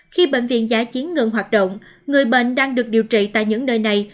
khi bệnh viện giã chiến ngừng hoạt động người bệnh đang được điều trị tại những nơi này